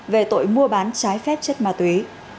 về tội mua bán trái phép chất ma túy